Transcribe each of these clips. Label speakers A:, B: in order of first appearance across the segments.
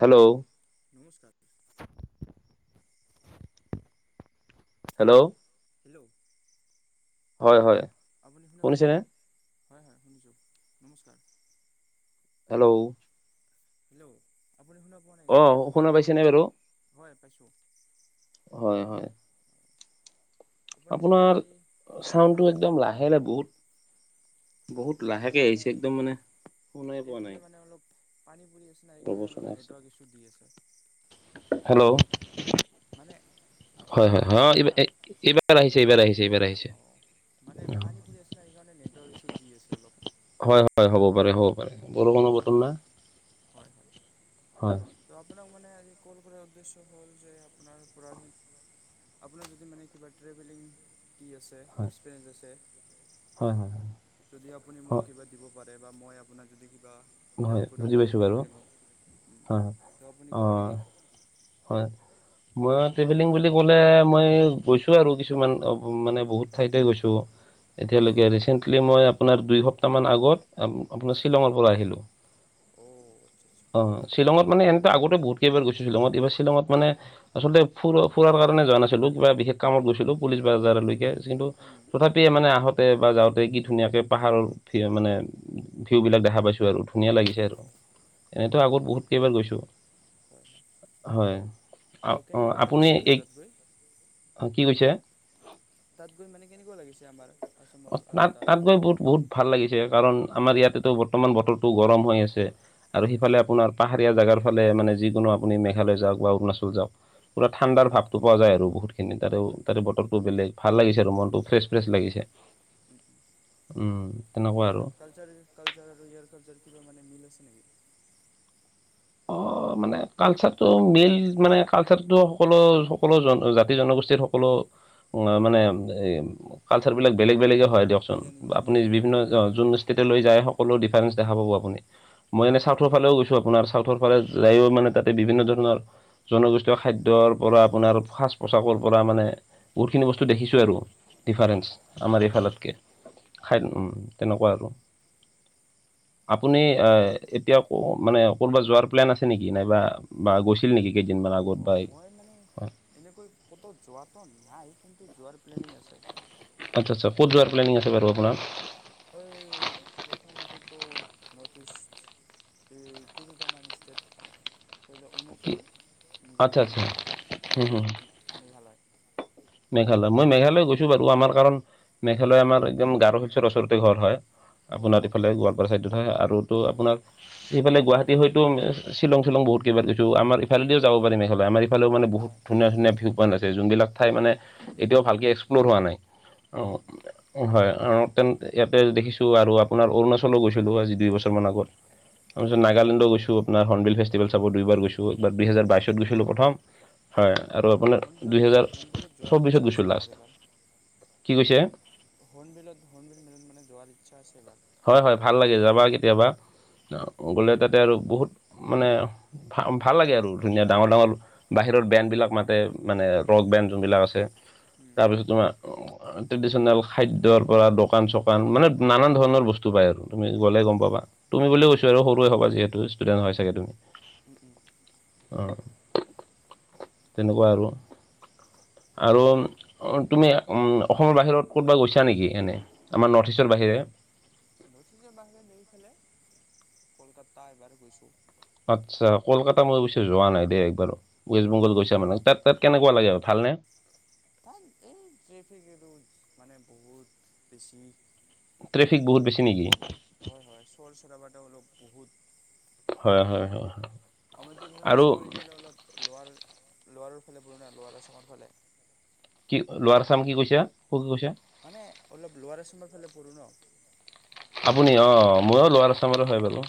A: Hello
B: নমস্কাৰ। [unintelligible]
A: Hello? [unintelligible]
B: Hello? [unintelligible]
A: হয়-হয়। [unintelligible]
B: আপুনি শুনা পাইছানে? হয়-হয়, শুনিছোঁ নমস্কাৰ [unintelligible]
A: হেল্ল'! [unintelligible]
B: হেল্ল'! আপুনি শুনক [unintelligible]
A: অ শুনা পাইছে নে বাৰু? [unintelligible]
B: হয় পাইছোঁ। [unintelligible]
A: হয়-হয়। [unintelligible]
B: আপোনাক মানে
A: আপোনাৰ
B: আজি হুম
A: চাউণ্ডটো একদম লাহে-লাহে বহুত [inaudible] বহুত লাহেকে
B: লাহে-লাহে মানে
A: আহিছে একদম মানে শুনাই
B: এইফালে মানে অলপ পানী পৰি আছে [unintelligible]
A: ৰব [unintelligible]
B: অলপ
A: আছে।
B: নেটৱৰ্ক ইছ্যু দি আছে
A: হেল্ল'!
B: মানে [unintelligible] পানী
A: হয়-হয়-হয়
B: পৰি আছে না
A: এইবাৰ-এইবাৰ আহিছে, এইবাৰ আহিছে, এইবাৰ আহিছে। [unintelligible]
B: অঁ মানে পানী পৰি আছে ন, সেইকাৰণে নেটৱৰ্ক ইছু দি আছে অলপ। [unintelligible]
A: হয়-হয়, হ'ব পাৰে, হ'ব পাৰে, বৰষূণৰ বতৰ না। [unintelligible]
B: হয়-হয়। [unintelligible]
A: হয় [unintelligible]
B: ত আপোনাক মানে আজি কল কৰাৰ উদ্দেশ্য হ'ল যে আপোনাৰ পৰা [unintelligible] আপোনাৰ যদি মানে কিবা ট্ৰেভেলিং কি আছে? এক্সপেৰিয়েঞ্চ আছে? [unintelligible]
A: হয়-হয়-হয়। [unintelligible]
B: যদি আপুনি মোক কিবা দিব পাৰে বা মই আপোনাক যদি কিবা [unintelligible]
A: হয়
B: হেল্প কৰিব
A: বুজি
B: পাৰোঁ
A: পাইছোঁ বাৰু
B: ট্ৰেভেলিঙত উম
A: হয় হয়
B: ত' আপুনি
A: অ
B: ক'ব নেকি? [unintelligible]
A: হয়। [unintelligible] মই ট্ৰেভেলিং বুলি ক'লে মই গৈছোঁ আৰু কিছুমান মানে বহুত ঠাইতে গৈছোঁ। [unintelligible]
B: হয়
A: এতিয়ালৈকে ৰিচেণ্টলি মই আপোনাৰ দুই সপ্তাহমান আগত আপোনাৰ
B: হয়
A: শ্বিলঙৰ পৰা আহিলোঁ। [unintelligible]
B: অ! আচ্ছা-আচ্ছা। [unintelligible]
A: অঁ শ্বিলঙত মানে এনেকে আগতে বহুত কেইবাৰ গৈছোঁ শ্বিলঙত। এইবাৰ শ্বিলঙত মানে [unintelligible] আচলতে ফুৰা-ফুৰাৰ কাৰণে যোৱা নাছিলো। কিবা বিশেষ কামত গৈছিলো পুলিচ বজাৰলৈকে কিন্তু তথাপি [unintelligible] [unintelligible] তে মানে আহোঁতে বা যাওঁতে কি ধুনীয়াকে পাহাৰৰ মানে ভিউবিলাক দেখা পাইছো আৰু। ধুনীয়া লাগিছে আৰু
B: অ' অ'
A: এনেতো আগত বহুত কেইবাৰ গৈছোঁ।
B: হয় হয়
A: [unintelligible] হয়। [unintelligible]
B: তো
A: অঁ
B: কেনেকুৱা
A: আপুনি
B: লাগিছে মানে
A: এই
B: তাত গৈ
A: অঁ কি কৈছে? [inaudible]
B: তাত গৈ মানে কেনেকুৱা লাগিছে আমাৰ? [unintelligible]
A: [unintelligible]
B: আৰু তাত
A: তাত-তাত গৈ বহুত-বহুত ভাল লাগিছে কাৰণ আমাৰ ইয়াতেতো বৰ্তমান বতৰটো গৰম হৈ আছে আৰু
B: হয়
A: সেইফালে আপোনাৰ [unintelligible] পাহাৰীয়া জেগাৰ ফালে মানে যিকোনো আপুনি মেঘালয় যাওক বা অৰুণাচল যাওক পুৰা
B: হয়
A: ঠাণ্ডাৰ ভাৱ। [unintelligible] [unintelligible] টো পোৱা যায় আৰু বহুতখিনি তাৰে
B: হয় হয় হয়
A: তাতে বতৰটো বেলেগ ভাল লাগিছে আৰু মনটো ফ্ৰেছ-ফ্ৰেছ লাগিছে। [unintelligible]
B: উম [unintelligible]
A: উম
B: আৰু
A: তেনেকুৱা
B: তাৰ কালচাৰ-কালচাৰ আৰু ইয়াৰ কালচাৰ কিবা মানে মিল আছে নেকি? [unintelligible]
A: অ
B: [inaudible]
A: মানে কালচাৰটো মিল মানে কালচাৰটো সকলো-সকলো জন জাতি-জনগোষ্ঠীৰ সকলো [unintelligible] মানে এই কালচাৰবিলাক বেলেগ-বেলেগে হয় দিয়ক চোন
B: নিজা নিজা
A: আপুনি
B: নিজা নিজা
A: বিভিন্ন
B: থাকে হয়
A: যোন [unintelligible] [unintelligible] তেতিয়া লৈ যায় সকলো ডিফাৰেন্ঞ্চ দেখা পাব আপুনি। মই এনেই
B: অ'
A: চাউথৰ ফালেও গৈছো আপোনাৰ। চাউথৰ ফালে যায়ো মানে তাতে বিভিন্ন ধৰণৰ [unintelligible] জনগোষ্ঠীয় খাদ্যৰ পৰা আপোনাৰ সাজ পোছাকৰ পৰা মানে বহুতখিনি বস্তু দেখিছো আৰু
B: হয়
A: ডিফাৰেন্ঞ্চ। আমাৰ
B: হয়
A: এইফালতকে খাই উম তেনকুৱা আৰু। আপুনি এ এতিয়া ক মানে ক'ৰবাত যোৱাৰ প্লেন আছে নেকি? নাইবা বা গৈছিল নেকি কেইদিনমান আগত? বা
B: অঁ মই মানে এনেকৈ ক'তো যোৱাটো নাই, কিন্তু যোৱাৰ প্লেনিং আছে।
A: আচ্ছা আ্চ্ছা, ক'ত যোৱাৰ প্লেনিং আছে বাৰু আপোনাৰ?
B: ঐ প্ৰথমতেতো নৰ্থইষ্ট উম তিনিটামান ষ্টেট, ধৰি ল
A: কি
B: অৰুণাচল
A: আচ্ছা
B: মিজোৰাম
A: আচ্ছা হুম
B: আৰু
A: হুম
B: মেঘালয়।
A: মেঘালয় মই মেঘালয় গৈছো বাৰু, আমাৰ কাৰণ মেঘালয় আমাৰ একদম গাৰো হিলচৰ ওচৰতে ঘৰ হয়।
B: অঁ
A: আপোনাৰ
B: অঁ
A: এইফালে গোৱালপাৰা ছাইডত হয়, আৰু তো
B: হয়
A: আপোনাৰ
B: হয়
A: সেইফালে গুৱাহাটী হয়তো শ্বিলং শ্বিলং বহুত কেইবাৰ গৈছো, আমাৰ ইফালেদিও যাব পাৰি মেঘালয় আমাৰ এই ফালেও মানে বহুত
B: হয় হয়
A: ধুনীয়া ধুনীয়া ভিউ পইণ্ট আছে যোনবিলাক ঠাই মানে এতিয়াও ভালকে এক্সপ্লৰ হোৱা নাই।
B: উম
A: অ হয় তেন ইয়াতে দেখিছো আৰু আপোনাৰ অৰুণাচলো গৈছিলো আজি দুই বছৰ মান আগত, তাৰপিছত
B: উম
A: নাগালেণ্ড ও গৈছোঁ আপোনাৰ হৰ্ণবিল ফেষ্টিভেল চাব দুইবাৰ গৈছোঁ। ত' এবাৰ দুহেজাৰ
B: অঁ
A: বাইছত
B: হৰ্ণবিল
A: গৈছিলোঁ প্ৰথম
B: হয়
A: হয় আৰু আপোনাৰ
B: হৰ্ণবিলত
A: দুহেজাৰ
B: হৰ্ণবিলত যোৱাৰ
A: চব্বিছত
B: ইচ্ছা আছে
A: গৈছোঁ
B: মোৰ
A: লাষ্ট, কি কৈছে?
B: হৰ্ণ বিলত হৰ্ণবিল মেলাত মানে যোৱাৰ ইচ্ছা আছে এবাৰ।
A: হয় হয় ভাল লাগে যাবা কেতিয়াবা,
B: হয়
A: গ'লে তাতে আৰু বহুত মানে ভা ভাল লাগে আৰু ধুনীয়া ডাঙৰ ডাঙৰ
B: হয়
A: বাহিৰৰ বেণ্ডবিলাক মাতে। মানে ৰক
B: উম
A: বেণ্ড
B: উম
A: যোনবিলাক আছে,
B: উম
A: তাৰপিছত তোমাৰ ট্ৰেডিচনেল খাদ্যৰ পৰা দোকান চোকান মানে নানান ধৰণৰ বস্তু পায় আৰু। তুমি গ'লে গম
B: হয়
A: পাবা,
B: হয়
A: তুমি বুলি
B: হয়
A: কৈছো আৰু সৰুয়ে হবা যিহেতু ষ্টুডেন্ট হয় চাগে তুমি?
B: উম উম
A: অঁ তেনকুৱা আৰু। আৰু তুমি অসমৰ বাহিৰত ক'ৰবাত গৈছা নেকি এনে? আমাৰ নৰ্থ ইষ্টৰ বাহিৰে।
B: নৰ্থ ইষ্টৰ বাহিৰত এইফালে কলকাতা এবাৰ গৈছো।
A: আচ্ছা, কলকাতা মই অৱশ্যে যোৱা নাই দেই একবাৰো। ৱেষ্ট বংগল গৈছা মানে? তাত তাত কেনেকুৱা লাগে ভালনে?
B: তাত এই ট্ৰেফিক এইটো মানে বহুত বেছি।
A: ট্ৰেফিক বহুত বেছি নেকি?
B: হয় হয় চৰ চাৰাবা তেওঁলোক বহুত
A: হয় হয় হয়।
B: আমিটো ধৰ
A: আৰু
B: আচামৰ এইফালে অলপ লৱাৰ লোৱাৰৰ ফালে পৰো না লোৱাৰ আচামৰ ফালে।
A: কি লোৱাৰ আচাম কি কৈছা? কত গৈছা?
B: মানে অলপ লৱাৰ আচামৰ ফালে পৰো ন।
A: আপুনি অঁ ময়ো লৱাৰ
B: হা
A: আচামৰে হয় বাৰু।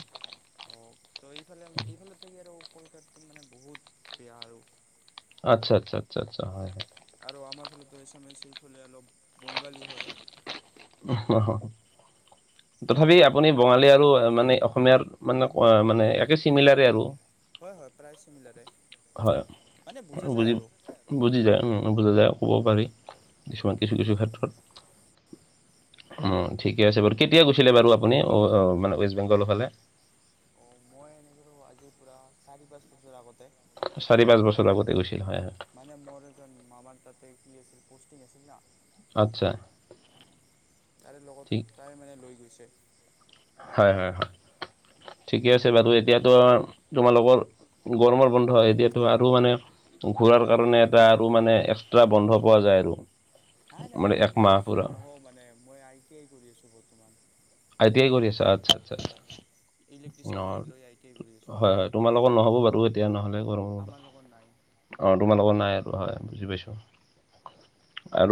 B: অ ত' এইফালে এইফালে থাকি আৰু কলকাতাত মানে বহুত বেয়া আৰু।
A: আচ্ছা আচ্ছ আচ্ছা আচ্ছা হয় হয়।
B: আৰু আমাৰ ফালতো এছামেচিৰ ফালে অলপ বঙালী হয়।
A: [unintelligible]
B: [inaudible]
A: তথাপি আপুনি বঙালী আৰু মানে অসমীয়াৰ মানে মানে একে চিমিলাৰে আৰু।
B: হয় হয় প্ৰায় চিমিলাৰে,
A: হয়,
B: মানে বুজা
A: বুজি
B: যায় আৰু।
A: বুজি যায় বুজা যায় ক'ব পাৰি কিছুমান কিছু কিছু ক্ষেত্ৰত। অ ঠিকে আছে বাৰু কেতিয়া গৈছিলে বাৰু আপুনি মানে ৱেষ্ট বেংগলৰ ফালে?
B: অঁ মই এনেকেতো আজিৰ পৰা চাৰি পাঁচ বছৰ আগতে।
A: চাৰি পাঁচ বছৰ আগতে গৈছিল হয়।
B: মানে মোৰ এজন মামাৰ তাতে কি আছিল প'ষ্টিং আছিল না।
A: আচ্ছা।
B: তাৰে
A: ঠিক
B: লগত তাই মানে লৈ গৈছে।
A: হয় হয় হয় ঠিকে আছে বাইদেউ এতিয়াতো তোমাৰ লগৰ,, গৰমৰ বন্ধ এতিয়াতো আৰু মানে ঘূুৰাৰ কাৰণে এটা আৰু মানে এক্সট্ৰা বন্ধ পোৱা যায় আৰু।
B: হয়াই নাই
A: মানে
B: মই এনেকুৱা
A: একমাহ পুৰা।
B: ইস্তদেন নহও মানে মই আই টি আই কৰি আছো বৰ্তমান।
A: আই টি আই কৰি আছা আস্থা।
B: হয় ইলেক্ট্ৰিচিয়ান লৈ আইকে
A: হয় হয় তোমাৰ লগত নহ'ব বাৰু এতিয়া নহ'লে গৰমত।
B: আমাৰ লগত নাই।
A: অ তোমাৰ লগত নাই এইটো হয় বুজি পাইছো।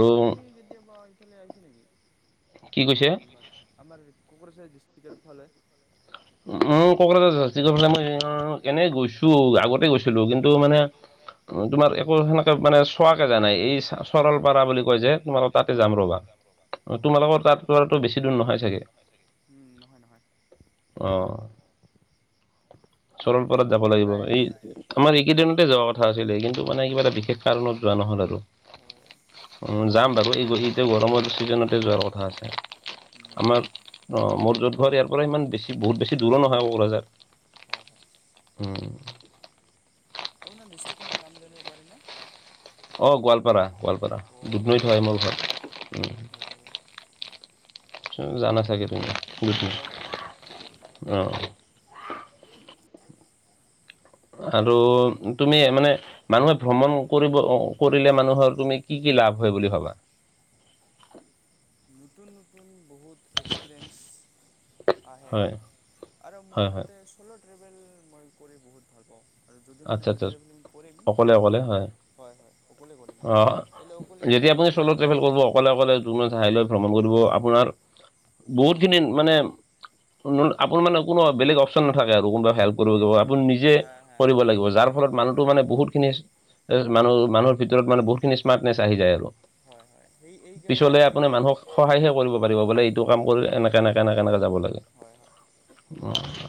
B: আপুনি কেতিয়াবা ইফালে আহিছে নেকি?
A: কি কৈছে?
B: আমাৰ কোকৰাঝাৰ ডিষ্ট্ৰিক্ৰ ফালে।
A: উম কোকৰাঝাৰৰ জাৰচি ফালে মই এনে গৈছো আগতে গৈছিলো কিন্তু মানে তোমাৰ একো সেনেকে মানে চোৱাকে জান নাই এই চৰলপাৰা বুলি কয় যে তোমাৰ তাত যাম ৰ'বা তোমালোকৰ তাত পৰাতো বেছি দূৰ নহয় চাগে।
B: উমঁ নহয় নহয়।
A: অ
B: আমি
A: চৰোল
B: যাই
A: পাৰত যাব
B: থাকোঁ
A: লাগিব
B: প্ৰায়
A: এই, আমাৰ এইকেইদিনতে যোৱা কথা আছিলে কিন্তু মানে কিবা এটা বিশেষ কাৰণত যোৱা নহল আৰু।
B: অঁ।
A: যাম বাৰু এই গধোলিতে গৰমৰ ছিজনতে যোৱাৰ কথা আছিলে
B: উম
A: আমাৰ অঁ মোৰ য'ত ঘৰত ইয়াৰ পৰা ইমান বেছি বহুত বেছি দূৰো নহয় কোকৰাঝাৰ।
B: হয় হয়!
A: উমঁ!
B: আপোনাৰ ডিষ্ট্ৰিক্টখনৰ নাম জানিব পাৰিম নে?
A: অঁ, গোৱালপাৰা গোৱালপাৰা
B: অ'
A: দুধনৈ হয়
B: গোৱালপাৰা
A: মোৰ ঘৰ উম।
B: অ'
A: জানা চাগে তুমি গোট অ।
B: হয় হয় জানো
A: কথাটো তুমি এ মানে মানুহে ভ্ৰমণ কৰিব কৰিলে মানুহৰ তুমি কি কি লাভ হয় বুলি ভাবা?
B: নতুন নতুন বহুত এক্সপে্ৰয়েঞ্চ। আহে।
A: হয়,
B: আৰু মোৰ
A: হয়, হয়,
B: মতে চ্'লো' ট্ৰেভেল মই কৰি বহুত ভাল পাওঁ। আৰু যদি মানে
A: আচ্ছা,
B: মাৰ
A: আচ্ছা,
B: ট্ৰেভেলিং কৰিম।
A: অকলে অকলে
B: হয়, হয় অকলে কৰিম
A: অ'।
B: তেলে অকলে কৰিলে মানে বহুত দিন
A: কোনো ঠাই লৈ ভ্ৰমণ কৰিব আপোনাৰ! বহুত খিনি মানে আপোনাৰ মানে কোনো বেলেগ অপচন নাথাকে আৰু কোনোবা হেল্প,। কৰি থোৱা আপুনি নিজে
B: হা হা
A: কৰিব
B: হা
A: লাগিব যাৰ ফলত মানুহটো
B: হয়
A: মানে
B: হয়
A: বহুত, বহুত খিনি মানুহ মানুহৰ ভিতৰত মানে বহুতখিনি স্মাৰ্টনেছ আহি যায় আৰু,।
B: হয় হয় সেই এই কাৰণে
A: পিছলে
B: মানে
A: আপুনি
B: মই
A: মানুহক
B: চ'ল'
A: সহায়হে
B: ট্ৰেভেলিং
A: কৰিব
B: ভাল
A: পাৰিব
B: পাওঁ
A: বোলে! এইটো কাম কৰিলে এনেকা এনেকা এনেকা যাব লাগে!
B: হয় হয়!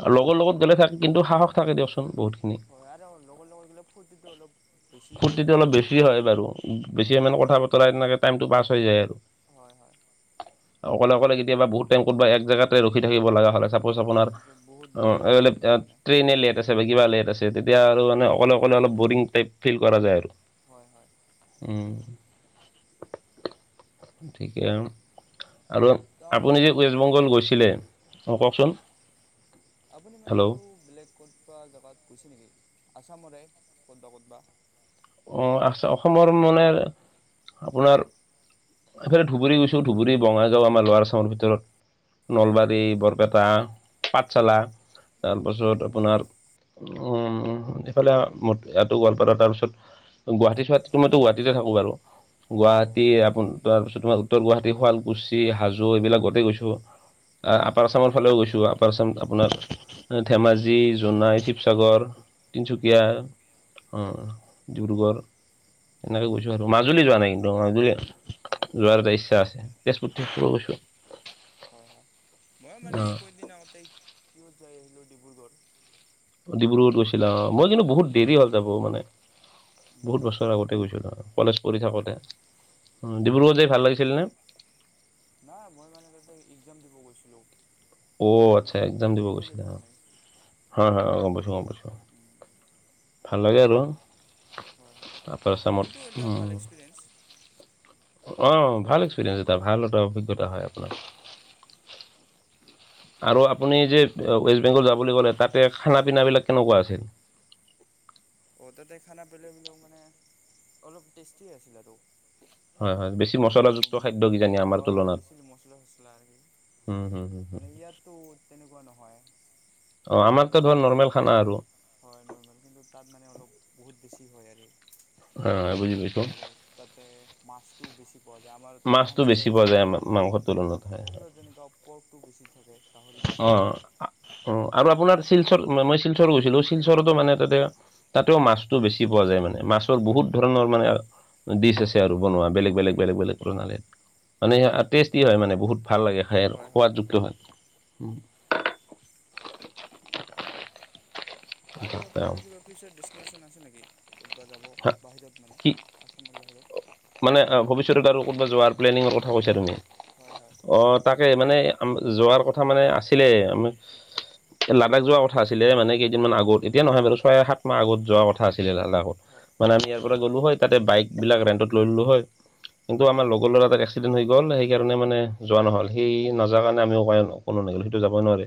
A: অ লগৰ লগত গ'লে থাকে কিন্তু সাহস থাকে দিয়কচোন বহুত খিনি
B: হয় আৰু লগৰ লগত গলে ফূৰ্তিটো অলপ বেছিকে
A: ফূৰ্তিটো
B: হয়।
A: অলপ বেছি হয় বাৰু বেছি
B: হয়
A: মানে কথা বতৰা তেনেকে টাইমটো পাছ হৈ যায় আৰু
B: হয় হয়!
A: অকলে অকলে কেতিয়াবা বহুত কতবা এক জেগাতে ৰখি থাকিব লগা হয় চা পচ আপোনাৰ
B: বহুত
A: অ
B: বৰিং
A: এনেই
B: লাগি যায় মানে
A: ট্ৰেইনেলি এটা বা কিবা লেট আছে তেতিয়া আৰু মানে অকলে অকলে
B: হয়
A: অলপ বৰিং টাইপ ফিল কৰা যায় আৰু
B: হয় হয়!
A: উম ঠিকে আৰু আৰু
B: ত
A: আপুনি যে
B: আৰু মানে
A: ৱেষ্টবেংগল
B: বেলেগ
A: গৈছিলে অ
B: হা
A: কওকচোন!
B: আপুনি মানে
A: হেল্ল'
B: আৰু বেলেগ ক'তবা জেগাত, গৈছে নেকি আছামৰে ক'তবা ক'তবা,
A: অ আছে অসমৰ মানে আপোনাৰ এইফালে ধুবুৰী গৈছো ধুবুৰী বঙাইগাঁও আমাৰ লৱাৰ আছামৰ ভিতৰত
B: হয় হয়
A: নলবাৰী, বৰপেটা, পাঠশালা তাৰপাছত
B: অ'
A: আপোনাৰ অ অ উ এইফালে ম ইয়াতো গোৱালপাৰা তাৰপিছত গুৱাহাটী চুৱাহাটীতো মইতো গুৱাহাটীতে থাকো বাৰু গুৱাহাটী
B: অ' ক'ত
A: আপোন
B: মান
A: তাৰপিছত তোমাৰ উত্তৰ গুৱাহাটী শুৱালকুছি হাজো এইবিলাক গোটেই গৈছো আপাৰ আছামত ফালেও গৈছো আপাৰ আচাম আপোনাৰ ধেমাজি, জোনাই, শিৱসাগৰ তিনিচুকীয়া
B: অ'
A: উম ডিব্ৰুগড় এনেকৈ গৈছো আৰু মাজুলী যোৱা নাই কিন্তু মাজুলী
B: অ'
A: যোৱাৰ এটা ইচ্ছা আছে তেজপুৰ তেজপুৰত গৈছো
B: হয় হয় ময়ো মানে এই
A: অ'
B: কেইদিন আগতে কিহত যাই আহিলো ডিব্ৰুগড়
A: ডিব্ৰুগড়ত গৈছিলা অ মই কিন্তু বহুত
B: হয়
A: দেৰি হ'ল যাব মানে বহুত
B: উম
A: বছৰ আগতে গৈছিলো অ কলেজ পঢ়ি
B: হয়
A: থাকোতে
B: হয়
A: উম ডিব্ৰুগড়ত যাই ভাল লাগিছিল নে?
B: নাই মই মানে তাতে একজাম দিব গৈছিলো
A: অ আচ্ছা
B: এনেকে
A: এক্জাম দিব
B: ফুৰিবলৈ
A: গৈছিলা
B: যোৱা নাই
A: হয় হয় গম পাইছো গম পাইছো
B: উম
A: ভাল লাগে আৰু
B: হয় হয়
A: আপাৰ আচামত
B: সেইটো এটা ভাল
A: উম
B: এক্সপিৰিয়েঞ্চ
A: অ' ভাল এক্সপিৰিয়েঞ্চ এটা ভাল এটা অভিজ্ঞতা হয় আপোনাৰ আৰু আপুনি যে ৱেষ্টবেংগল যোৱা বুলি ক'লে তাতে খানা পিনাবিলাক কেনেকোৱা আছিল
B: অ' তাতে খানা পিনা বিলাক মানে অলপ টেষ্টিয়ে আছিল আৰু
A: হয় হয় বেছি মছলাযুক্ত
B: অ'
A: খাদ্য কিজানি আমাৰ
B: হয় হয় বেছি মছলা চছলা আছিল আৰু সেই
A: উম উম
B: মানে ইয়াততো তেনেকোৱা নহয়
A: অ আমাৰতো
B: বেছি
A: ধৰ
B: মছলা
A: নৰ্মেল
B: চছলা
A: খানা আৰু
B: নহয় হয় নৰ্মেল কিন্তু তাত মানে অলপ বহুত বেছি হয় আৰু সেই
A: অ অ বুজি পাইছো
B: তাতে মাছটো বেছি পোৱা যায় আমাৰ
A: মাছটো
B: আমাৰ
A: বেছি
B: ইয়াত
A: পোৱা যায় আমাৰ
B: কোকৰাঝাৰত
A: মাংসৰ
B: উম
A: তুলনাত হয়
B: কোকৰাঝাৰত যেনেকোৱা পৰ্কটো বেছি থাকে গাহৰি
A: অ,
B: মছং
A: অ আপোনাৰ শিলচৰ মই শিলচৰ গৈছিলো শিলচৰতো মানে তাতে তাতেও মাছটো বেছি পোৱা যায় মানে মাছৰ
B: হয়
A: বহুত
B: হয়
A: ধৰণৰ মানে ডিছ আছে আৰু বনোৱা বেলেগ বেলেগ
B: উম
A: বেলেগ বেলেগ প্ৰণালী মানে টেষ্টি হয় মানে বহুত ভাল লাগে খাই সোৱাদ যুক্ত হয় উম
B: আৰু আপোনাৰ কিবা অফিচৰ দেছিনেচন আছে নেকি ক'তবা যাব বাহিৰত মানে
A: কি
B: আচামৰ বাহিৰত
A: মানে ভৱিষ্যতত আৰু কত'বা যোৱাৰ প্লেনিঙৰ কথা
B: হয়
A: কৈছা তুমি?
B: হয় হয়
A: অ' তাকে মানে যোৱাৰ কথা মানে আছিলে লাডাখ যোৱা কথা আছিলে মানে কেইদিনমান আগত এতিয়া নহয় বাৰু ছয় সাত মাহ আগত যোৱা ক থা আছিলে লাডাখত
B: হয়
A: মানে আমি
B: হয়
A: ইয়াৰ পৰা গ'লো হয় তাতে বাইক বিলাক ৰেন্টত লৈ ললো হয়, কিন্তু
B: হয়
A: আমাৰ লগৰ লৰা এটা এক্সিডেণ্ট হৈ গ'ল সেইকাৰণে মানে যোৱা নহল, সি নোযোৱাৰ কাৰণে আমিও মানে কোনো নগলো সিটো যাবই নোৱাৰে।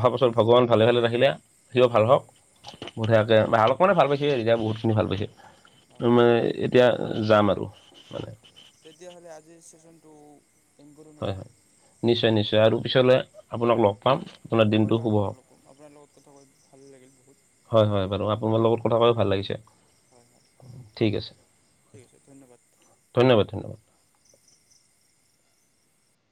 A: অহা বছৰত ভগৱান ভালে ভালে ৰাখিলে, তেওঁ ভাল হওক। বঢ়িয়াকে ভাল মানে ভাল পাইছে এতিয়া বহুত খিনি ভাল পাইছে।
B: হয়
A: ত'
B: হয়
A: মানে এতিয়া যাম আৰু।
B: তেতিয়াহ'লে আজিৰ ছেচনটো
A: হয় হয়, নিশ্চয় নিশ্চয় আৰু পিছলৈ আপোনাক লগ পাম
B: হয় হয়
A: আপোনাৰ
B: হয়
A: দিনটো
B: হয়
A: শুভ
B: আপোনাক
A: হওক
B: লগ পাম, আপোনাৰ লগত কথা কৈ ভাল লাগিল বহুত।
A: হয় হয় বাৰু আপোনাৰ লগত কথা কৈও ভাল লাগিছে।
B: হয় হয়
A: ঠিক আছে,
B: ঠিক আছে ধন্যবাদ
A: ধন্যবাদ ধন্যবাদ।